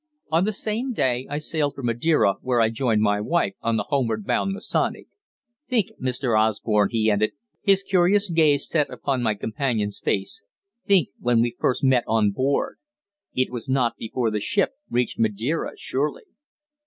On the same day I sailed for Madeira, where I joined my wife on the homeward bound Masonic. Think, Mr. Osborne," he ended, his curious gaze set on my companion's face, "think when we first met on board. It was not before the ship reached Madeira, surely."